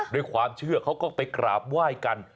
ด้วยความเชื่อเขาก็ไปกราบไหว้กัน